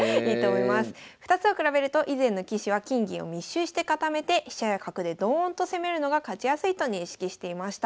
２つを比べると以前の棋士は金銀を密集して固めて飛車や角でドーンと攻めるのが勝ちやすいと認識していました。